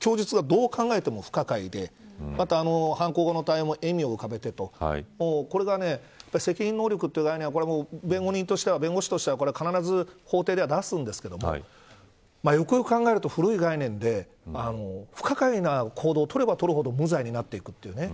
供述はどう考えても不可解でまた犯行後の対応も笑みを浮かべいたとこれは責任能力という場合には弁護士としては、必ず法廷では出すんですけれどもよくよく考えると、古い概念で不可解な行動を取れば取るほど無罪になっていくというね。